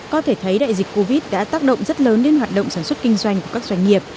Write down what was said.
có thể thấy đại dịch covid đã tác động rất lớn đến hoạt động sản xuất kinh doanh của các doanh nghiệp